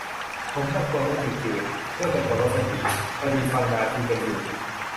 ผมตะโกนว่าจุดยืน เพื่อนตะโกนว่าส้นตีน พอดีฟังดาจิมกันอยู่